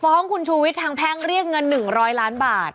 ฟ้องคุณชูวิทย์ทางแพ่งเรียกเงิน๑๐๐ล้านบาท